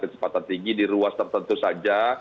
kecepatan tinggi di ruas tertentu saja